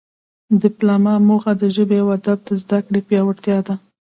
د پملا موخه د ژبې او ادب د زده کړې پیاوړتیا ده.